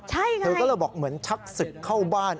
เธอก็เลยบอกเหมือนชักศึกเข้าบ้าน